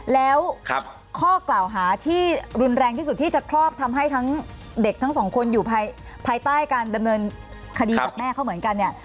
แล้วข้อกล่าวหาที่รุนแรงที่สุดที่จะครอบทำให้ทั้งเด็กทั้งสองคนอยู่ภายใต้การดำเนินคดีกับแม่เขาเหมือนกันเนี่ย